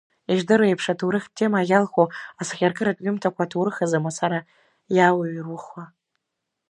Ишдыру еиԥш, аҭоурыхтә тема иалху асахьаркыратә ҩымҭақәа, аҭоурых азы мацара иаурҩыхуа.